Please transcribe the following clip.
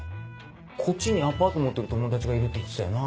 こっちにアパート持ってる友達がいるって言ってたよな。